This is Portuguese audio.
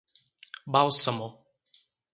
Bálsamo